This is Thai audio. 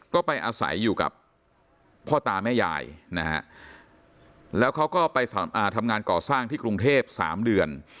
ก็ไปอาศัยอยู่กับพ่อตาแม่ยายนะฮะแล้วเขาก็ไปทำงานก่อสร้างที่กรุงเทพ๓เดือน